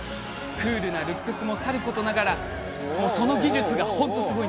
クールなルックスもさることながらその技術が本当にすごい。